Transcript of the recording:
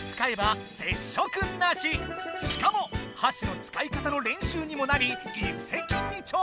しかもはしの使い方の練習にもなり一石二鳥！